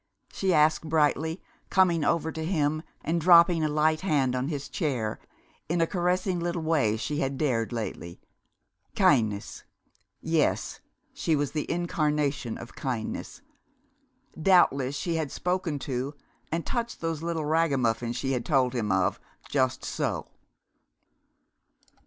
she asked brightly, coming over to him and dropping a light hand on his chair, in a caressing little way she had dared lately.... Kindness! Yes, she was the incarnation of kindness. Doubtless she had spoken to and touched those little ragamuffins she had told him of just so.